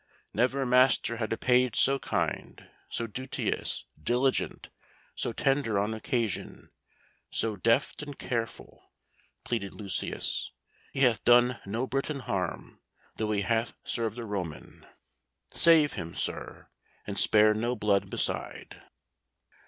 "Never master had a page so kind, so duteous, diligent, so tender on occasion, so deft and careful," pleaded Lucius. "He hath done no Briton harm, though he hath served a Roman. Save him, sir, and spare no blood beside."